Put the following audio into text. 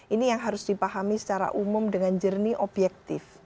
ini yang harus dipahami secara umum dengan jernih objektif